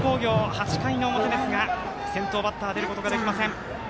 ８回の表ですが先頭バッター出ることができません。